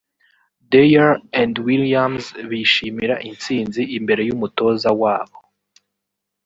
Dyer and Williams bishimira intsinzi imbere y’umutoza wabo